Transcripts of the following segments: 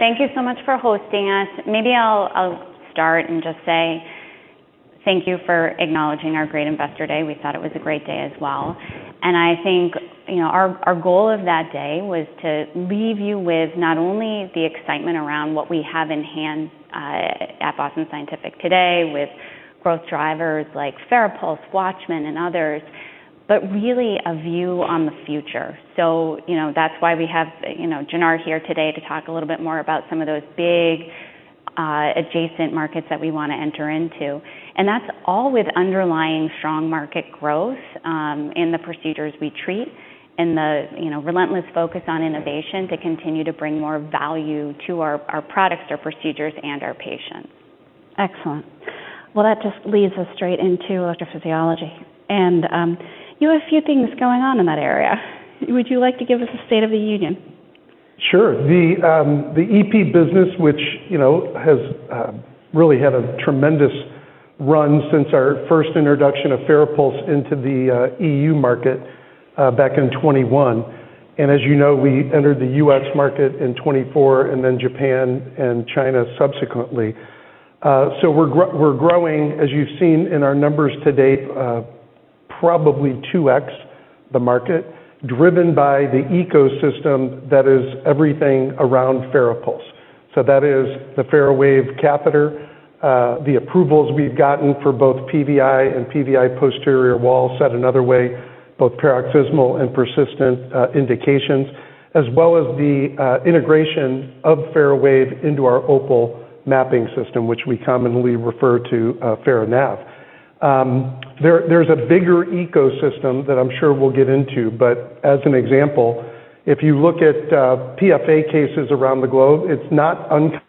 Thank you so much for hosting us. Maybe I'll start and just say thank you for acknowledging our great Investor Day. We thought it was a great day as well. I think our goal of that day was to leave you with not only the excitement around what we have in hand at Boston Scientific today with growth drivers like FARAPULSE, WATCHMAN, and others, but really a view on the future. That is why we have Janar here today to talk a little bit more about some of those big adjacent markets that we want to enter into. That is all with underlying strong market growth in the procedures we treat and the relentless focus on innovation to continue to bring more value to our products, our procedures, and our patients. Excellent. That just leads us straight into electrophysiology. You have a few things going on in that area. Would you like to give us a state of the union? Sure. The EP business, which has really had a tremendous run since our first introduction of FARAPULSE into the EU market back in 2021. And as you know, we entered the US market in 2024 and then Japan and China subsequently. We are growing, as you've seen in our numbers today, probably 2X the market, driven by the ecosystem that is everything around FARAPULSE. That is the FARAWAVE catheter, the approvals we've gotten for both PVI and PVI posterior wall, set another way, both paroxysmal and persistent indications, as well as the integration of FARAWAVE into our OPAL mapping system, which we commonly refer to as FARAWAVE. There's a bigger ecosystem that I'm sure we'll get into. For example, if you look at PFA cases around the globe, it's not uncommon.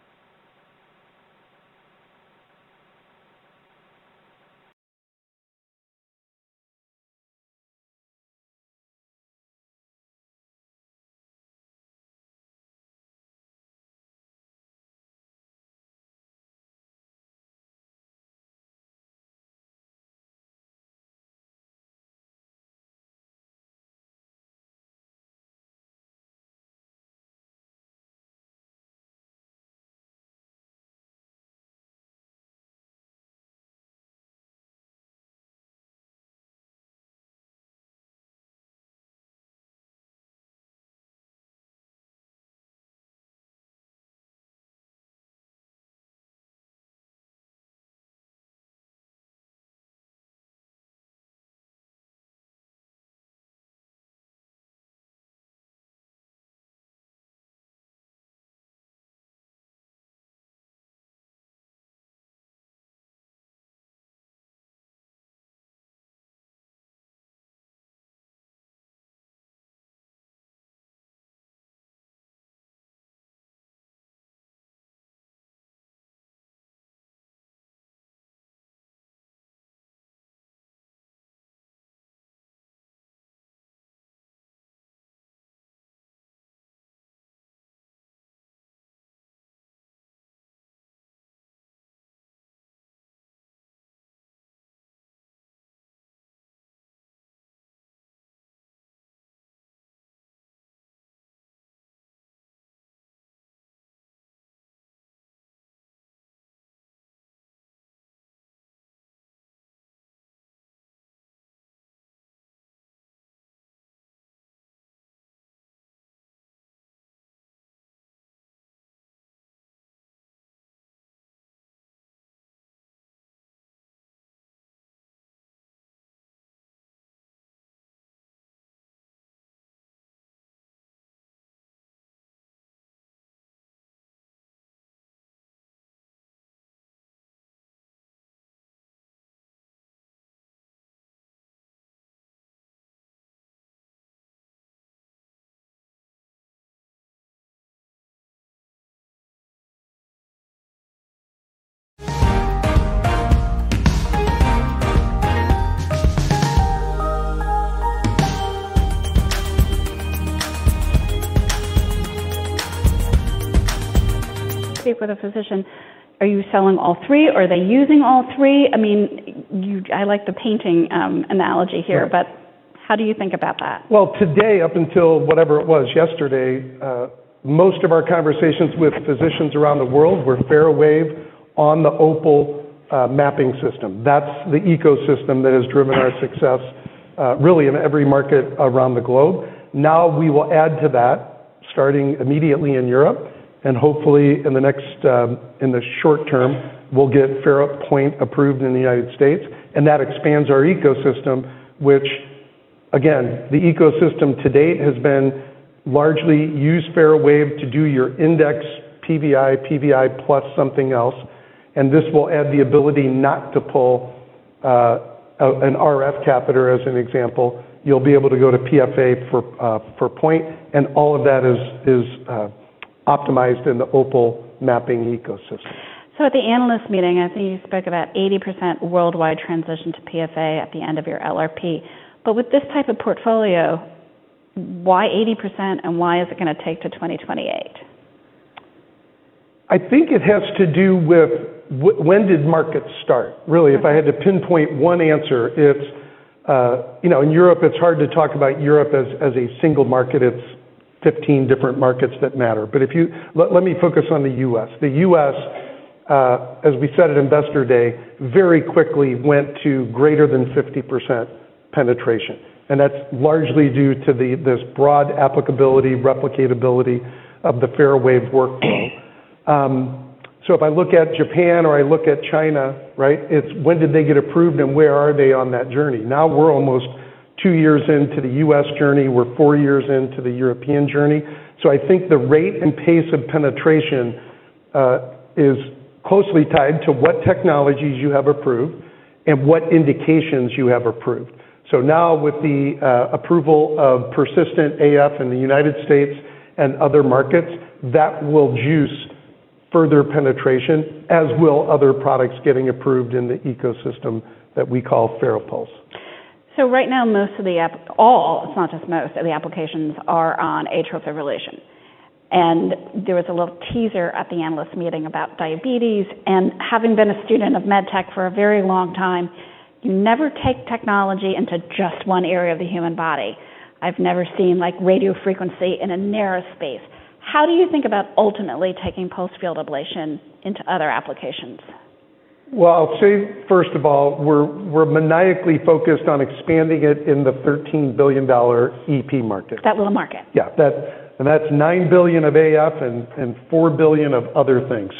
With a physician, are you selling all three? Are they using all three? I mean, I like the painting analogy here, but how do you think about that? Today, up until whatever it was yesterday, most of our conversations with physicians around the world were FARAWAVE on the OPAL mapping system. That's the ecosystem that has driven our success, really, in every market around the globe. Now we will add to that, starting immediately in Europe. Hopefully, in the short term, we'll get FARAPOINT approved in the United States. That expands our ecosystem, which, again, the ecosystem to date has been largely use FARAWAVE to do your index PVI, PVI plus something else. This will add the ability not to pull an RF catheter, as an example. You'll be able to go to PFA FARAPOINT All of that is optimized in the OPAL mapping ecosystem. At the analyst meeting, I think you spoke about 80% worldwide transition to PFA at the end of your LRP. With this type of portfolio, why 80% and why is it going to take to 2028? I think it has to do with when did markets start, really? If I had to pinpoint one answer, it's in Europe, it's hard to talk about Europe as a single market. It's 15 different markets that matter. Let me focus on the U.S. The U.S., as we said at investor day, very quickly went to greater than 50% penetration. That's largely due to this broad applicability, replicatability of the FARAWAVE workflow. If I look at Japan or I look at China, when did they get approved and where are they on that journey? Now we're almost two years into the U.S. journey. We're four years into the European journey. I think the rate and pace of penetration is closely tied to what technologies you have approved and what indications you have approved. Now with the approval of persistent AF in the United States and other markets, that will juice further penetration, as will other products getting approved in the ecosystem that we call FARAPULSE. Right now, most of the, all, it's not just most of the applications are on atrial fibrillation. There was a little teaser at the analyst meeting about diabetes. Having been a student of med tech for a very long time, you never take technology into just one area of the human body. I've never seen radiofrequency in a narrow space. How do you think about ultimately taking pulsed field ablation into other applications? I'll say, first of all, we're maniacally focused on expanding it in the $13 billion EP market. That little market. Yeah. That's $9 billion of AF and $4 billion of other things.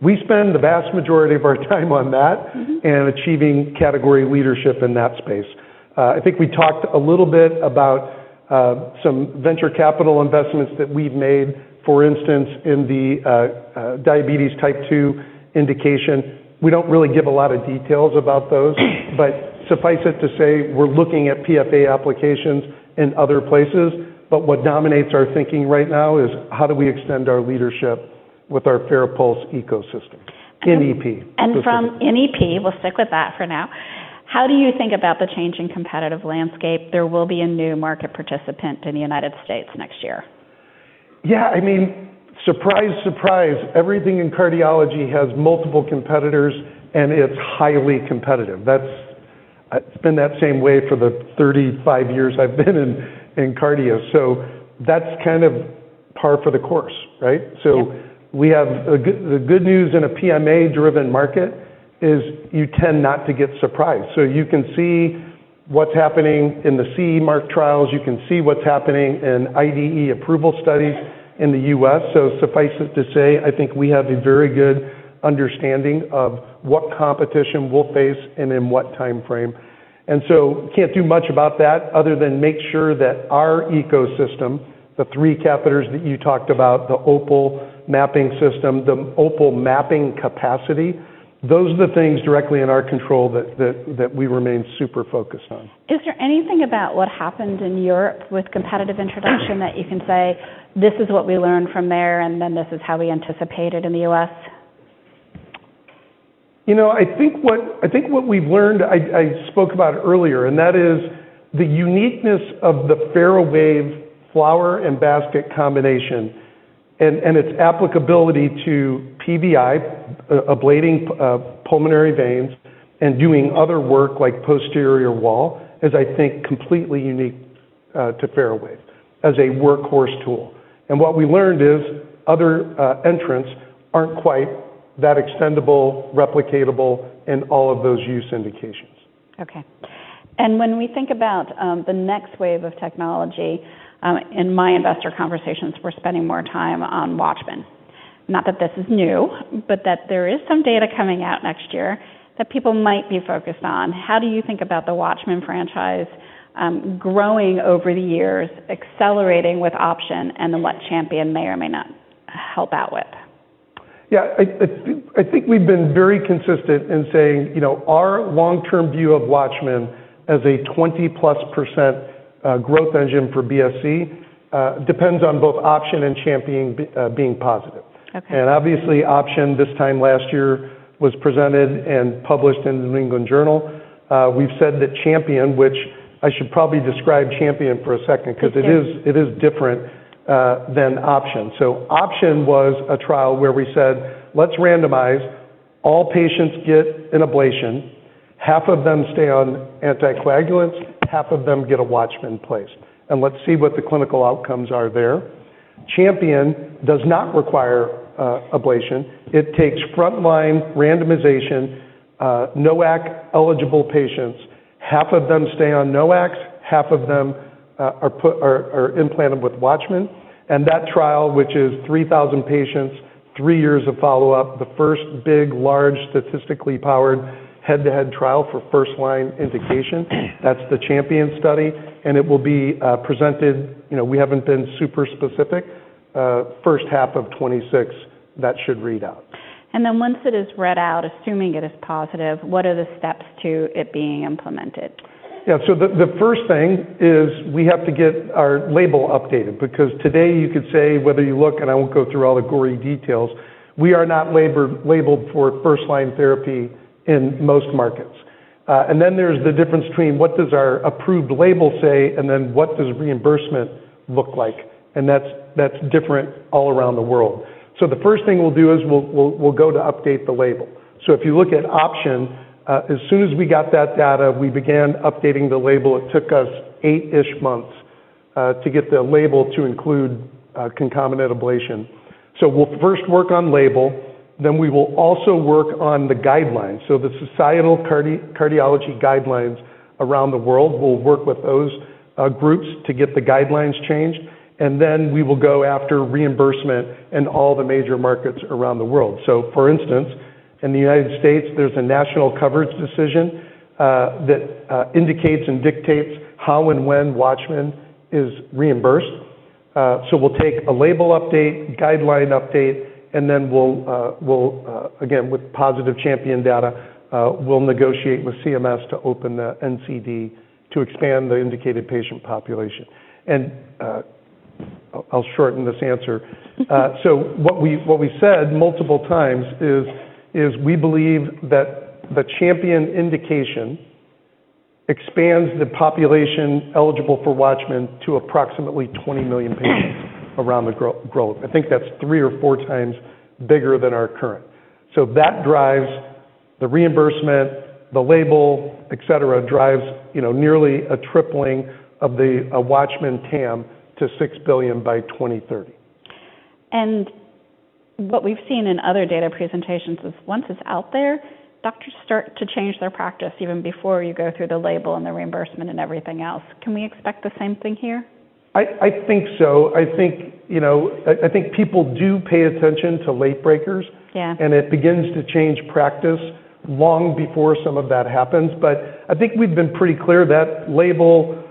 We spend the vast majority of our time on that and achieving category leadership in that space. I think we talked a little bit about some venture capital investments that we've made, for instance, in the diabetes type 2 indication. We don't really give a lot of details about those. Suffice it to say, we're looking at PFA applications in other places. What dominates our thinking right now is how do we extend our leadership with our FARAPULSE ecosystem in EP. From in EP, we'll stick with that for now. How do you think about the changing competitive landscape? There will be a new market participant in the United States next year. Yeah. I mean, surprise, surprise, everything in cardiology has multiple competitors, and it's highly competitive. That's been that same way for the 35 years I've been in cardio. That's kind of par for the course. We have the good news in a PMA-driven market is you tend not to get surprised. You can see what's happening in the CE Mark trials. You can see what's happening in IDE approval studies in the U.S. Suffice it to say, I think we have a very good understanding of what competition we'll face and in what time frame. You can't do much about that other than make sure that our ecosystem, the three catheters that you talked about, the OPAL mapping system, the OPAL mapping capacity, those are the things directly in our control that we remain super focused on. Is there anything about what happened in Europe with competitive introduction that you can say, this is what we learned from there, and then this is how we anticipate it in the U.S.? You know, I think what we've learned, I spoke about earlier, and that is the uniqueness of the FARAWAVE flower and basket combination and its applicability to PVI, ablating pulmonary veins and doing other work like Posterior Wall is, I think, completely unique to FARAWAVE as a workhorse tool. What we learned is other entrants aren't quite that extendable, replicatable in all of those use indications. Okay. When we think about the next wave of technology, in my investor conversations, we're spending more time on WATCHMAN. Not that this is new, but that there is some data coming out next year that people might be focused on. How do you think about the WATCHMAN franchise growing over the years, accelerating with OPTION and then what CHAMPION may or may not help out with? Yeah. I think we've been very consistent in saying our long-term view of WATCHMAN as a 20+% growth engine for BSC depends on both OPTION and CHAMPION being positive. Obviously, OPTION this time last year was presented and published in the New England Journal of Medicine. We've said that CHAMPION, which I should probably describe CHAMPION for a second because it is different than OPTION. OPTION was a trial where we said, let's randomize. All patients get an ablation. Half of them stay on anticoagulants. Half of them get a WATCHMAN placed. Let's see what the clinical outcomes are there. CHAMPION does not require ablation. It takes frontline randomization, NOAC-eligible patients. Half of them stay on NOACs. Half of them are implanted with WATCHMAN. That trial, which is 3,000 patients, three years of follow-up, the first big, large, statistically powered head-to-head trial for first-line indication, that's the CHAMPION study. It will be presented. We haven't been super specific. First half of 2026, that should read out. Once it is read out, assuming it is positive, what are the steps to it being implemented? Yeah. The first thing is we have to get our label updated because today you could say, whether you look, and I won't go through all the gory details, we are not labeled for first-line therapy in most markets. There is the difference between what does our approved label say and what does reimbursement look like. That is different all around the world. The first thing we'll do is we'll go to update the label. If you look at OPTION, as soon as we got that data, we began updating the label. It took us eight-ish months to get the label to include concomitant ablation. We'll first work on label. We will also work on the guidelines. The societal cardiology guidelines around the world, we'll work with those groups to get the guidelines changed. We will go after reimbursement in all the major markets around the world. For instance, in the United States, there's a national coverage decision that indicates and dictates how and when WATCHMAN is reimbursed. We'll take a label update, guideline update, and then, again, with positive CHAMPION data, we'll negotiate with CMS to open the NCD to expand the indicated patient population. I'll shorten this answer. What we said multiple times is we believe that the CHAMPION indication expands the population eligible for WATCHMAN to approximately 20 million patients around the globe. I think that's three or four times bigger than our current. That drives the reimbursement, the label, et cetera, drives nearly a tripling of the WATCHMAN TAM to $6 billion by 2030. What we've seen in other data presentations is once it's out there, doctors start to change their practice even before you go through the label and the reimbursement and everything else. Can we expect the same thing here? I think so. I think people do pay attention to late breakers. It begins to change practice long before some of that happens. I think we've been pretty clear that label,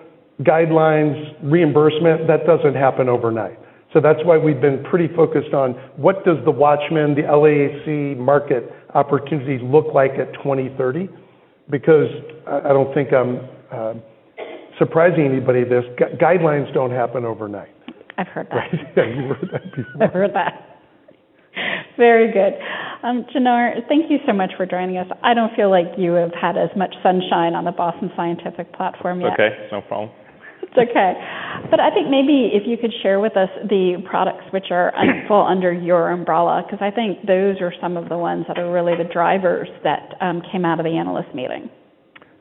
guidelines, reimbursement, that doesn't happen overnight. That's why we've been pretty focused on what does the WATCHMAN, the LAAC market opportunity look like at 2030? I don't think I'm surprising anybody this. Guidelines don't happen overnight. I've heard that. Right. Yeah, you've heard that before. I've heard that. Very good. Janar, thank you so much for joining us. I don't feel like you have had as much sunshine on the Boston Scientific platform yet. Okay. No problem. It's okay. I think maybe if you could share with us the products which are under your umbrella because I think those are some of the ones that are really the drivers that came out of the analyst meeting.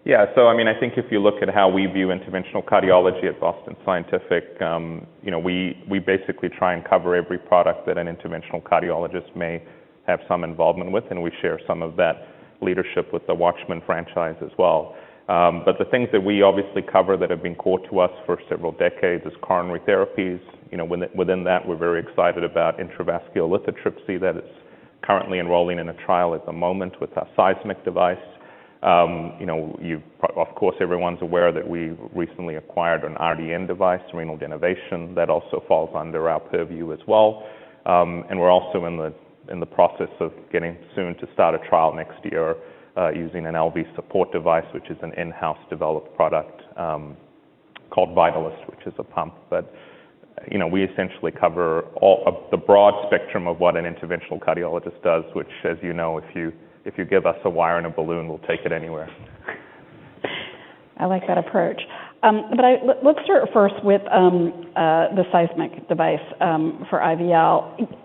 Yeah. I mean, I think if you look at how we view interventional cardiology at Boston Scientific, we basically try and cover every product that an interventional cardiologist may have some involvement with. We share some of that leadership with the WATCHMAN franchise as well. The things that we obviously cover that have been core to us for several decades is coronary therapies. Within that, we're very excited about intravascular lithotripsy that is currently enrolling in a trial at the moment with a Seismic device. Of course, everyone's aware that we recently acquired an RDN device, renal denervation. That also falls under our purview as well. We're also in the process of getting soon to start a trial next year using an LV support device, which is an in-house developed product called Vitalyst, which is a pump. We essentially cover the broad spectrum of what an interventional cardiologist does, which, as you know, if you give us a wire and a balloon, we'll take it anywhere. I like that approach. Let's start first with the Seismic device for IVL.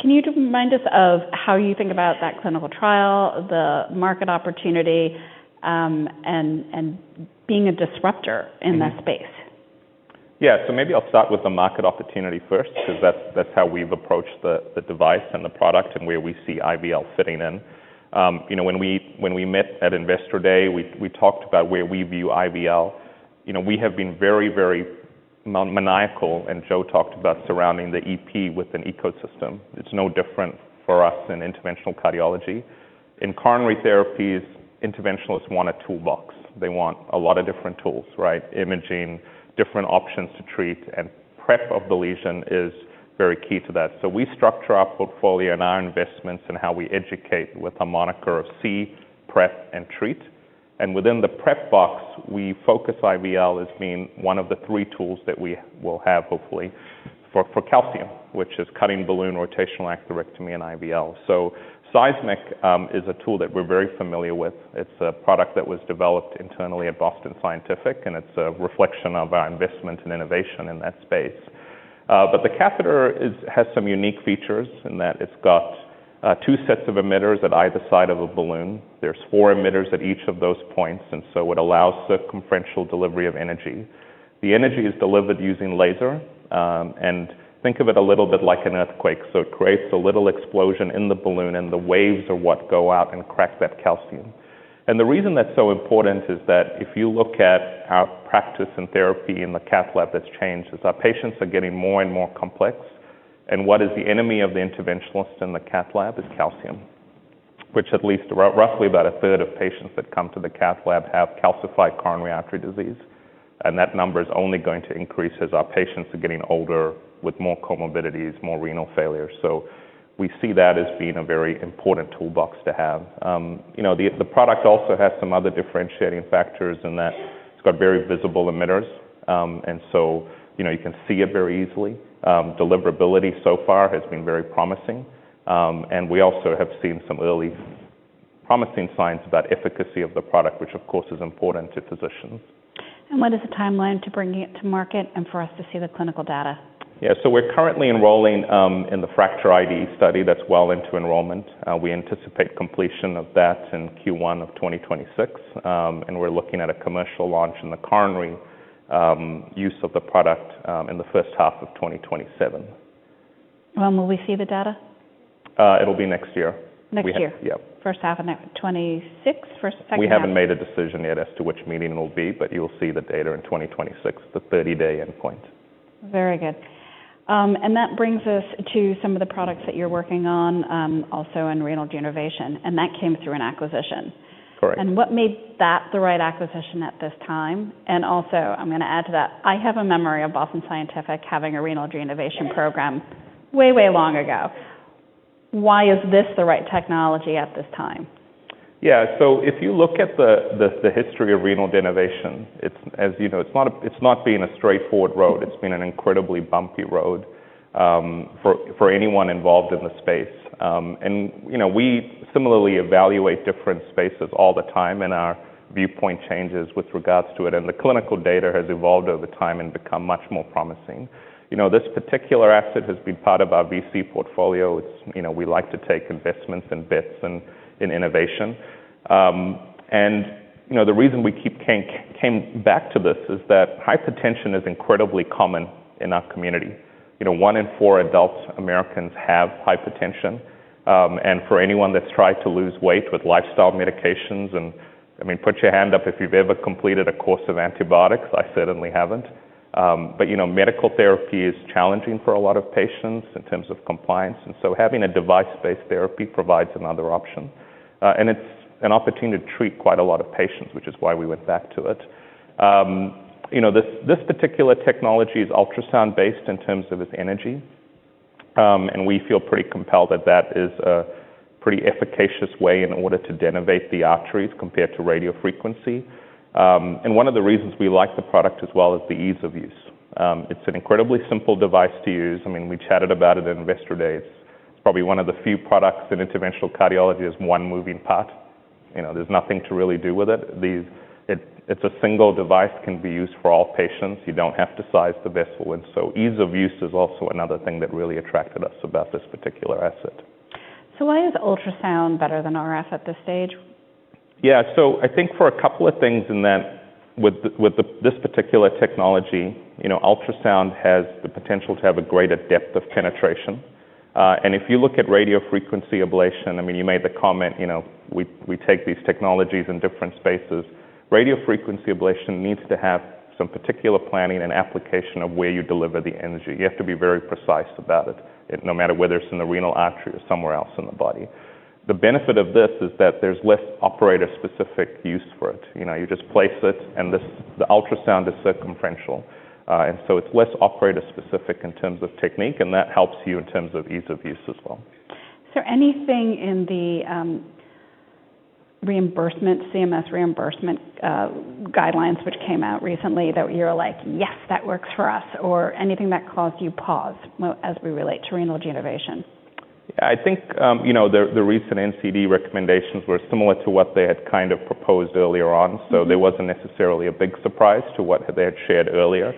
Can you remind us of how you think about that clinical trial, the market opportunity, and being a disruptor in that space? Yeah. Maybe I'll start with the market opportunity first because that's how we've approached the device and the product and where we see IVL fitting in. When we met at investor day, we talked about where we view IVL. We have been very, very maniacal, and Joe talked about surrounding the EP with an ecosystem. It's no different for us in interventional cardiology. In coronary therapies, interventionalists want a toolbox. They want a lot of different tools, imaging, different options to treat. Prep of the lesion is very key to that. We structure our portfolio and our investments and how we educate with a moniker of see, prep and treat. Within the prep box, we focus IVL as being one of the three tools that we will have, hopefully, for calcium, which is cutting balloon, rotational atherectomy, and IVL. Seismic is a tool that we're very familiar with. It's a product that was developed internally at Boston Scientific, and it's a reflection of our investment and innovation in that space. The catheter has some unique features in that it's got two sets of emitters at either side of a balloon. There are four emitters at each of those points. It allows circumferential delivery of energy. The energy is delivered using laser. Think of it a little bit like an earthquake. It creates a little explosion in the balloon, and the waves are what go out and crack that calcium. The reason that's so important is that if you look at our practice and therapy in the cath lab that's changed, our patients are getting more and more complex. What is the enemy of the interventionalist in the cath lab is calcium, which at least roughly about a third of patients that come to the cath lab have calcified coronary artery disease. That number is only going to increase as our patients are getting older with more comorbidities, more renal failure. We see that as being a very important toolbox to have. The product also has some other differentiating factors in that it's got very visible emitters. You can see it very easily. Deliverability so far has been very promising. We also have seen some early promising signs about efficacy of the product, which of course is important to physicians. What is the timeline to bring it to market and for us to see the clinical data? Yeah. We're currently enrolling in the Fracture ID study that's well into enrollment. We anticipate completion of that in Q1 of 2026. We're looking at a commercial launch in the coronary use of the product in the first half of 2027. When will we see the data? It'll be next year. Next year. Yeah. First half of 2026, first half of 2027? We haven't made a decision yet as to which meeting it'll be, but you'll see the data in 2026, the 30-day endpoint. Very good. That brings us to some of the products that you're working on also in renal denervation. That came through an acquisition. Correct. What made that the right acquisition at this time? Also, I'm going to add to that, I have a memory of Boston Scientific having a renal denervation program way, way long ago. Why is this the right technology at this time? Yeah. If you look at the history of renal denervation, as you know, it's not been a straightforward road. It's been an incredibly bumpy road for anyone involved in the space. We similarly evaluate different spaces all the time, and our viewpoint changes with regards to it. The clinical data has evolved over time and become much more promising. This particular asset has been part of our VC portfolio. We like to take investments and bets in innovation. The reason we came back to this is that hypertension is incredibly common in our community. One in four adult Americans have hypertension. For anyone that's tried to lose weight with lifestyle medications, and I mean, put your hand up if you've ever completed a course of antibiotics. I certainly haven't. Medical therapy is challenging for a lot of patients in terms of compliance. Having a device-based therapy provides another option. It is an opportunity to treat quite a lot of patients, which is why we went back to it. This particular technology is ultrasound-based in terms of its energy. We feel pretty compelled that that is a pretty efficacious way in order to denervate the arteries compared to radiofrequency. One of the reasons we like the product as well is the ease of use. It is an incredibly simple device to use. I mean, we chatted about it at investor days. It is probably one of the few products in interventional cardiology that has one moving part. There is nothing to really do with it. It is a single device that can be used for all patients. You do not have to size the vessel. Ease of use is also another thing that really attracted us about this particular asset. Why is ultrasound better than RF at this stage? Yeah. I think for a couple of things in that with this particular technology, ultrasound has the potential to have a greater depth of penetration. I mean, if you look at radiofrequency ablation, you made the comment, we take these technologies in different spaces. Radiofrequency ablation needs to have some particular planning and application of where you deliver the energy. You have to be very precise about it, no matter whether it's in the renal artery or somewhere else in the body. The benefit of this is that there's less operator-specific use for it. You just place it, and the ultrasound is circumferential. It is less operator-specific in terms of technique, and that helps you in terms of ease of use as well. Is there anything in the CMS reimbursement guidelines which came out recently that you're like, "Yes, that works for us," or anything that caused you pause as we relate to renal denervation? Yeah. I think the recent NCD recommendations were similar to what they had kind of proposed earlier on. There wasn't necessarily a big surprise to what they had shared earlier.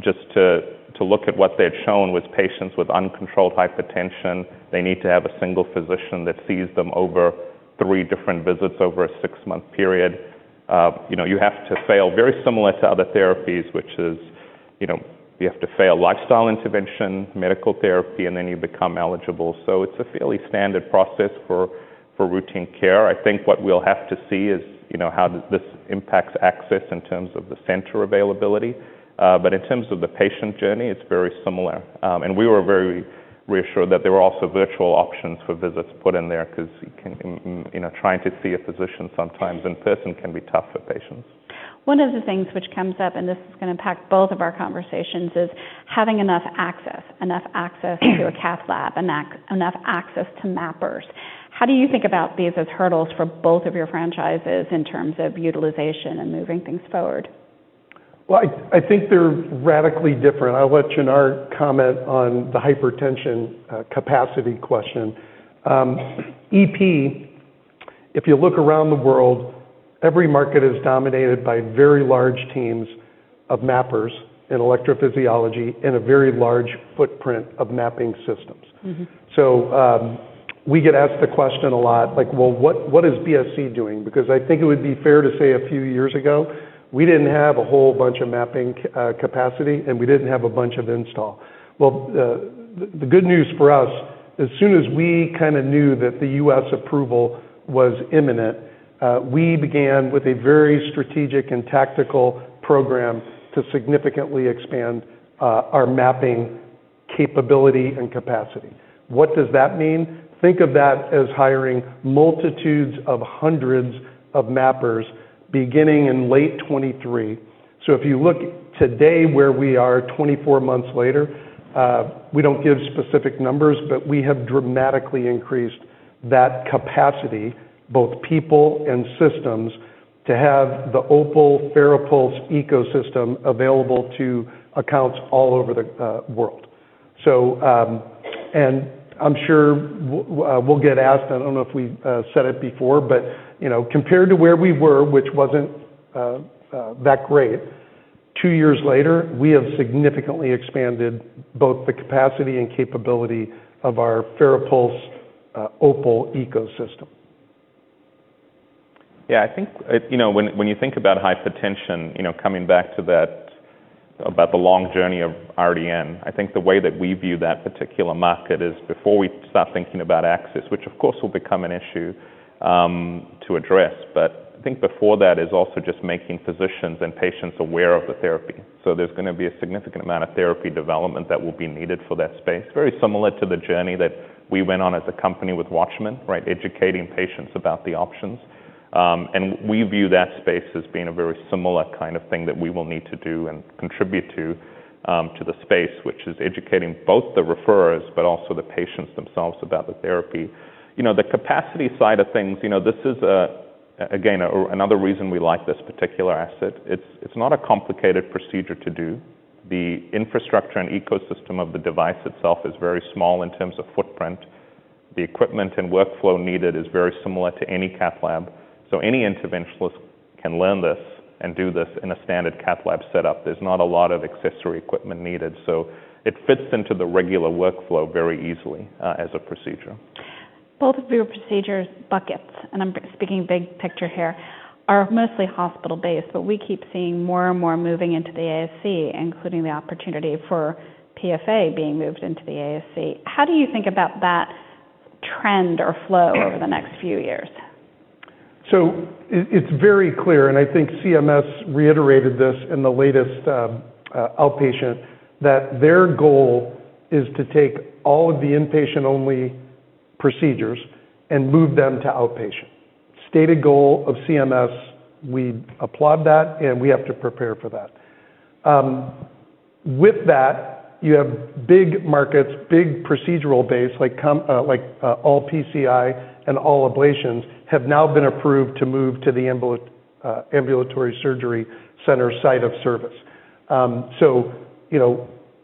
Just to look at what they had shown with patients with uncontrolled hypertension, they need to have a single physician that sees them over three different visits over a six-month period. You have to fail very similar to other therapies, which is you have to fail lifestyle intervention, medical therapy, and then you become eligible. It's a fairly standard process for routine care. I think what we'll have to see is how this impacts access in terms of the center availability. In terms of the patient journey, it's very similar. We were very reassured that there were also virtual options for visits put in there because trying to see a physician sometimes in person can be tough for patients. One of the things which comes up, and this is going to impact both of our conversations, is having enough access, enough access to a cath lab, enough access to mappers. How do you think about these as hurdles for both of your franchises in terms of utilization and moving things forward? I think they're radically different. I'll let Janar comment on the hypertension capacity question. EP, if you look around the world, every market is dominated by very large teams of mappers in electrophysiology and a very large footprint of mapping systems. We get asked the question a lot, like, "What is BSC doing?" I think it would be fair to say a few years ago, we didn't have a whole bunch of mapping capacity, and we didn't have a bunch of install. The good news for us, as soon as we kind of knew that the U.S. approval was imminent, we began with a very strategic and tactical program to significantly expand our mapping capability and capacity. What does that mean? Think of that as hiring multitudes of hundreds of mappers beginning in late 2023. If you look today where we are 24 months later, we don't give specific numbers, but we have dramatically increased that capacity, both people and systems, to have the OPAL FARAPULSE ecosystem available to accounts all over the world. I'm sure we'll get asked, and I don't know if we said it before, but compared to where we were, which wasn't that great, two years later, we have significantly expanded both the capacity and capability of our FARAPULSE OPAL Ecosystem. Yeah. I think when you think about hypertension, coming back to that about the long journey of RDN, I think the way that we view that particular market is before we start thinking about access, which of course will become an issue to address. I think before that is also just making physicians and patients aware of the therapy. There's going to be a significant amount of therapy development that will be needed for that space, very similar to the journey that we went on as a company with WATCHMAN, educating patients about the options. We view that space as being a very similar kind of thing that we will need to do and contribute to the space, which is educating both the referrers, but also the patients themselves about the therapy. The capacity side of things, this is, again, another reason we like this particular asset. It's not a complicated procedure to do. The infrastructure and ecosystem of the device itself is very small in terms of footprint. The equipment and workflow needed is very similar to any cath lab. Any interventionalist can learn this and do this in a standard cath lab setup. There's not a lot of accessory equipment needed. It fits into the regular workflow very easily as a procedure. Both of your procedure buckets, and I'm speaking big picture here, are mostly hospital-based, but we keep seeing more and more moving into the ASC, including the opportunity for PFA being moved into the ASC. How do you think about that trend or flow over the next few years? It's very clear, and I think CMS reiterated this in the latest outpatient, that their goal is to take all of the inpatient-only procedures and move them to outpatient. Stated goal of CMS, we applaud that, and we have to prepare for that. With that, you have big markets, big procedural base, like all PCI and all ablations have now been approved to move to the ambulatory surgery center site of service.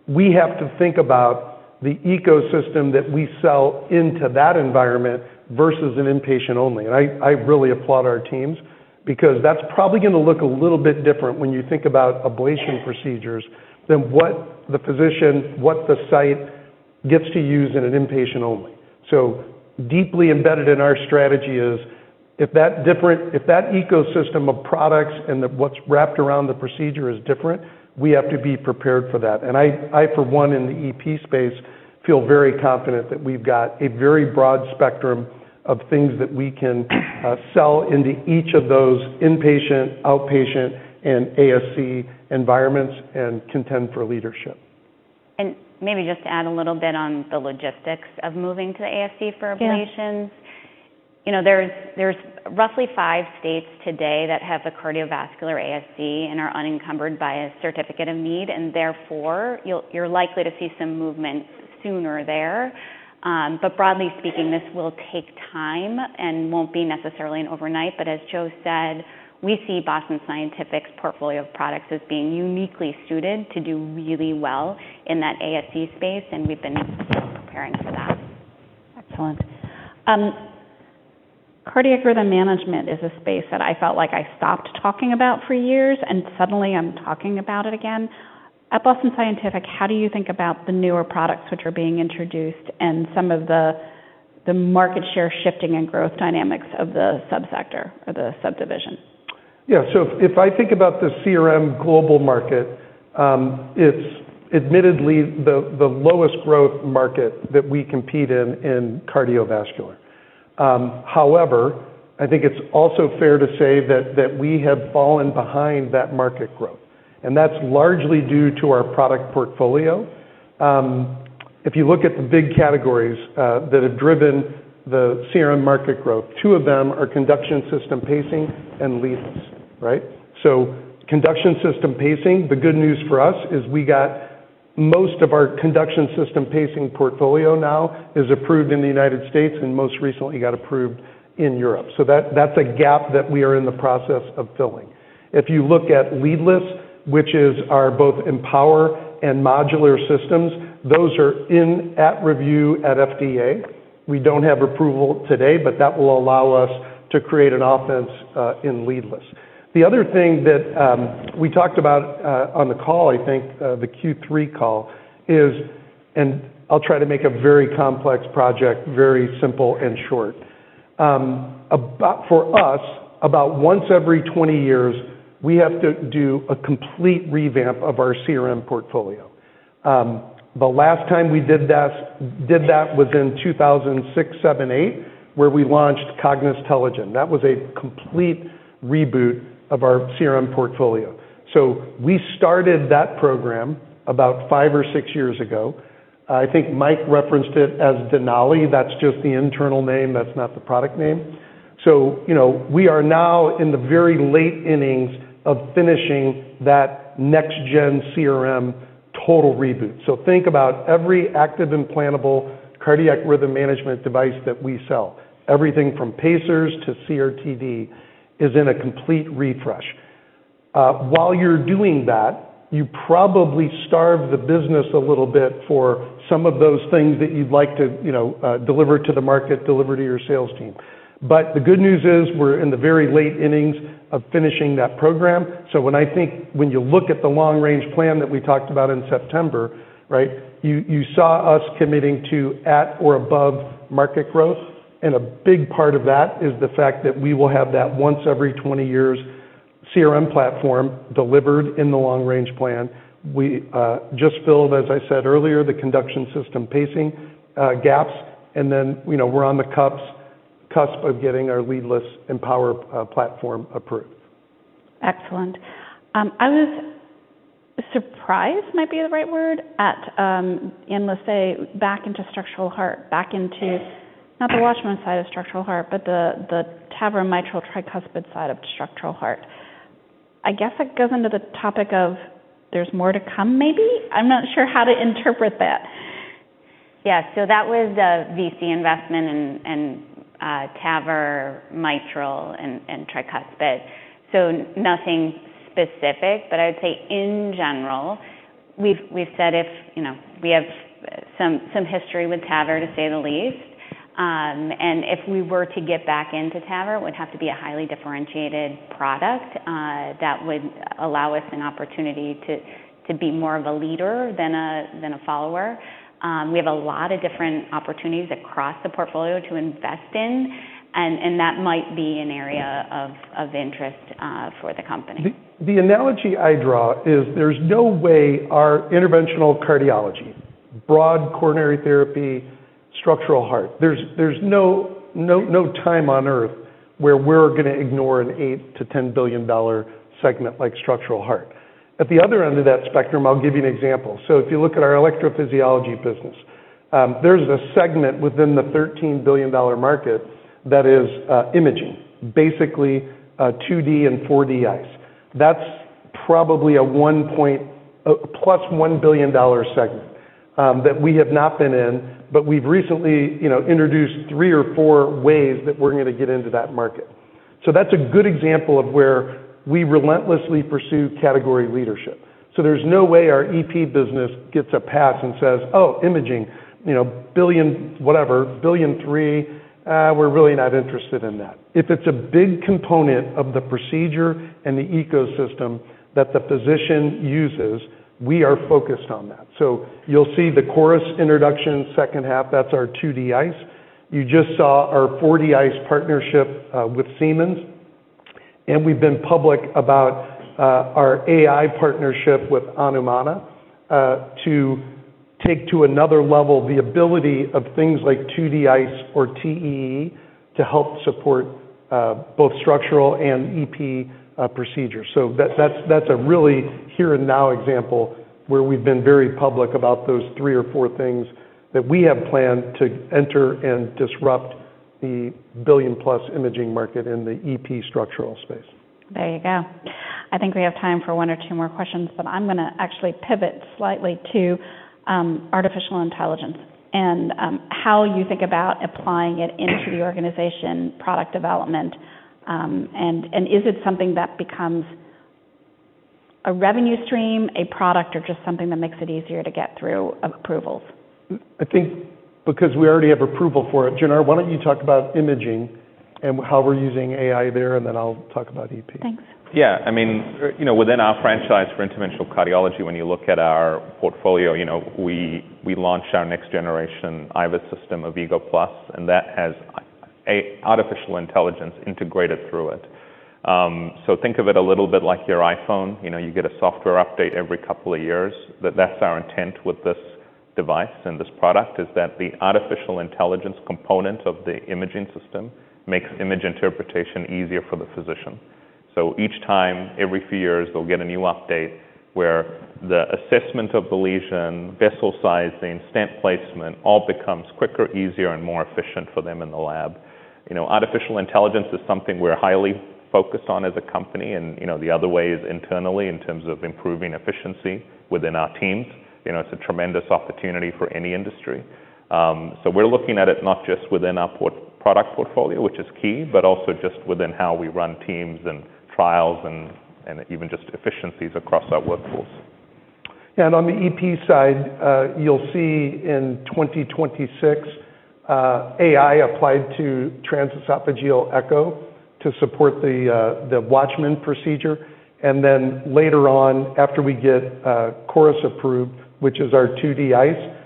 We have to think about the ecosystem that we sell into that environment versus an inpatient-only. I really applaud our teams because that's probably going to look a little bit different when you think about ablation procedures than what the physician, what the site gets to use in an inpatient-only. Deeply embedded in our strategy is if that ecosystem of products and what's wrapped around the procedure is different, we have to be prepared for that. And I, for one in the EP space, feel very confident that we've got a very broad spectrum of things that we can sell into each of those inpatient, outpatient, and ASC environments and contend for leadership. Maybe just to add a little bit on the logistics of moving to the ASC for ablations. There are roughly five states today that have a cardiovascular ASC and are unencumbered by a certificate of need. Therefore, you're likely to see some movement sooner there. Broadly speaking, this will take time and won't be necessarily an overnight. As Joe said, we see Boston Scientific's portfolio of products as being uniquely suited to do really well in that ASC space. We've been preparing for that. Excellent. Cardiac rhythm management is a space that I felt like I stopped talking about for years, and suddenly I'm talking about it again. At Boston Scientific, how do you think about the newer products which are being introduced and some of the market share shifting and growth dynamics of the subsector or the subdivision? Yeah. If I think about the CRM global market, it's admittedly the lowest growth market that we compete in in cardiovascular. However, I think it's also fair to say that we have fallen behind that market growth. That's largely due to our product portfolio. If you look at the big categories that have driven the CRM market growth, two of them are conduction system pacing and leadless. Conduction system pacing, the good news for us is most of our conduction system pacing portfolio now is approved in the United States and most recently got approved in Europe. That's a gap that we are in the process of filling. If you look at leadless, which are both EMPOWER and modular systems, those are in at review at FDA. We don't have approval today, but that will allow us to create an offense in leadless. The other thing that we talked about on the call, I think the Q3 call, is, and I'll try to make a very complex project very simple and short. For us, about once every 20 years, we have to do a complete revamp of our CRM portfolio. The last time we did that was in 2006, 2007, 2008, where we launched COGNIS and TELIGEN. That was a complete reboot of our CRM portfolio. We started that program about five or six years ago. I think Mike referenced it as Denali. That's just the internal name. That's not the product name. We are now in the very late innings of finishing that next-gen CRM total reboot. Think about every active implantable cardiac rhythm management device that we sell. Everything from pacers to CRT-D is in a complete refresh. While you're doing that, you probably starve the business a little bit for some of those things that you'd like to deliver to the market, deliver to your sales team. The good news is we're in the very late innings of finishing that program. I think when you look at the long-range plan that we talked about in September, you saw us committing to at or above market growth. A big part of that is the fact that we will have that once every 20 years CRM platform delivered in the long-range plan. We just filled, as I said earlier, the conduction system pacing gaps. We're on the cusp of getting our leadless EMPOWER platform approved. Excellent. I was surprised, might be the right word, at, and let's say, back into structural heart, back into not the WATCHMAN side of structural heart, but the TAVR Mitral Tricuspid side of structural heart. I guess that goes into the topic of there's more to come, maybe. I'm not sure how to interpret that. Yeah. That was the VC investment in TAVR, mitral, and tricuspid. Nothing specific, but I would say in general, we've said we have some history with TAVR, to say the least. If we were to get back into TAVR, it would have to be a highly differentiated product that would allow us an opportunity to be more of a leader than a follower. We have a lot of different opportunities across the portfolio to invest in. That might be an area of interest for the company. The analogy I draw is there's no way our interventional cardiology, broad coronary therapy, structural heart. There's no time on earth where we're going to ignore an $8 billion-$10 billion segment like structural heart. At the other end of that spectrum, I'll give you an example. If you look at our electrophysiology business, there's a segment within the $13 billion market that is imaging, basically 2D ICE and 4D ICE. That's probably a plus $1 billion segment that we have not been in, but we've recently introduced three or four ways that we're going to get into that market. That's a good example of where we relentlessly pursue category leadership. There's no way our EP business gets a pass and says, "Oh, imaging, billion whatever, billion three, we're really not interested in that." If it's a big component of the procedure and the ecosystem that the physician uses, we are focused on that. You'll see the Chorus introduction, second half, that's our 2D ICE. You just saw our 4D ICE partnership with Siemens Healthineers. We've been public about our AI partnership with Anumana to take to another level the ability of things like 2D ICE or TEE to help support both structural and EP procedures. That's a really here and now example where we've been very public about those three or four things that we have planned to enter and disrupt the billion plus imaging market in the EP structural space. There you go. I think we have time for one or two more questions, but I'm going to actually pivot slightly to artificial intelligence and how you think about applying it into the organization product development. Is it something that becomes a revenue stream, a product, or just something that makes it easier to get through approvals? I think because we already have approval for it, Janar, why don't you talk about imaging and how we're using AI there, and then I'll talk about EP. Thanks. Yeah. I mean, within our franchise for interventional cardiology, when you look at our portfolio, we launched our next generation IVA system of AVVIGO+, and that has artificial intelligence integrated through it. Think of it a little bit like your iPhone. You get a software update every couple of years. That's our intent with this device and this product is that the artificial intelligence component of the imaging system makes image interpretation easier for the physician. Each time, every few years, they'll get a new update where the assessment of the lesion, vessel sizing, stent placement, all becomes quicker, easier, and more efficient for them in the lab. Artificial intelligence is something we're highly focused on as a company. The other way is internally in terms of improving efficiency within our teams. It's a tremendous opportunity for any industry. We're looking at it not just within our product portfolio, which is key, but also just within how we run teams and trials and even just efficiencies across our workforce. Yeah. On the EP side, you'll see in 2026, AI applied to transesophageal echo to support the WATCHMAN procedure. Later on, after we get Chorus approved, which is our 2D ICE,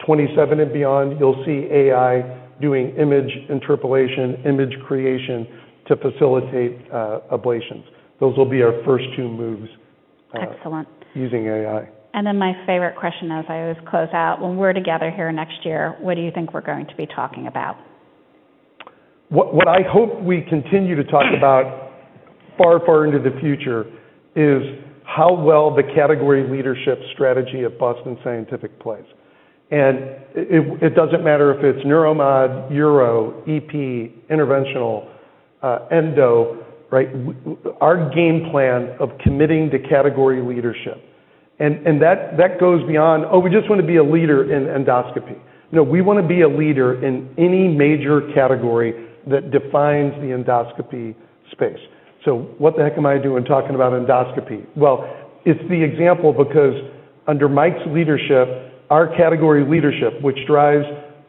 2027 and beyond, you'll see AI doing image interpolation, image creation to facilitate ablations. Those will be our first two moves. Excellent. Using AI. My favorite question as I always close out, when we're together here next year, what do you think we're going to be talking about? What I hope we continue to talk about far, far into the future is how well the category leadership strategy at Boston Scientific plays. It does not matter if it's neuromod, uro, EP, interventional, endo, our game plan of committing to category leadership. That goes beyond, "Oh, we just want to be a leader in endoscopy." No, we want to be a leader in any major category that defines the endoscopy space. What the heck am I doing talking about endoscopy? It is the example because under Mike's leadership, our category leadership, which drives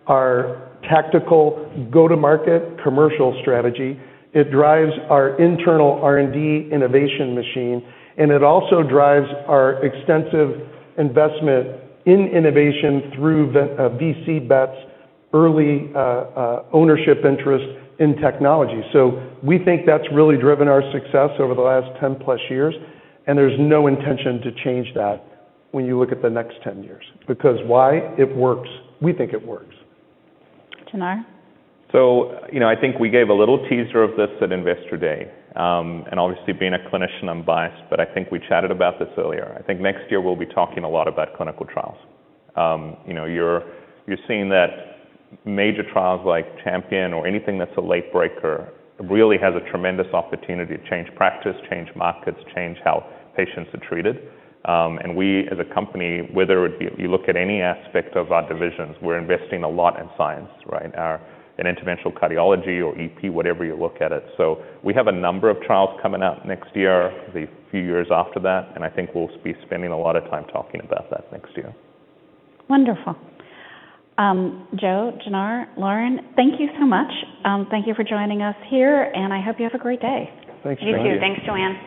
our tactical go-to-market commercial strategy, it drives our internal R&D innovation machine, and it also drives our extensive investment in innovation through VC bets, early ownership interest in technology. We think that's really driven our success over the last 10 plus years. There is no intention to change that when you look at the next 10 years because why? It works. We think it works. Janar? I think we gave a little teaser of this at Investor Day. Obviously, being a clinician, I'm biased, but I think we chatted about this earlier. I think next year, we'll be talking a lot about clinical trials. You're seeing that major trials like CHAMPION or anything that's a late breaker really has a tremendous opportunity to change practice, change markets, change how patients are treated. We, as a company, whether you look at any aspect of our divisions, we're investing a lot in science, in interventional cardiology or EP, whatever you look at it. We have a number of trials coming out next year, the few years after that. I think we'll be spending a lot of time talking about that next year. Wonderful. Joe, Janar, Lauren, thank you so much. Thank you for joining us here. I hope you have a great day. Thanks, Janar. You too. Thanks, Joanne.